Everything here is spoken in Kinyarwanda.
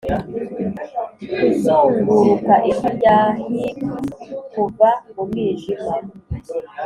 kuzunguruka ijwi rya hipe kuva mu mwijima